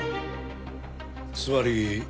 つまり。